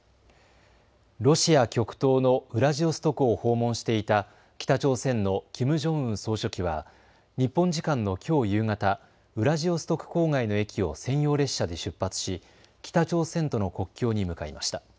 ロシア極東のウラジオストクを訪問していた北朝鮮のキム・ジョンウン総書記は日本時間のきょう夕方、ウラジオストク郊外の駅を専用列車で出発し北朝鮮との国境に向かいました。